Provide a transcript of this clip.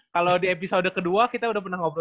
kalau di episode ke dua kita udah pernah ngobrol